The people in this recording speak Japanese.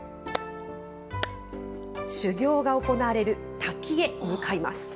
修行が行われる滝へ向かいます。